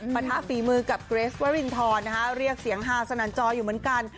ประทะฝีมือกับเกรสวรินทรเรียกเสียงฮาสนันจออยู่เหมือนกัน